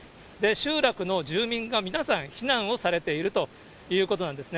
集落の住民が皆さん避難をされているということなんですね。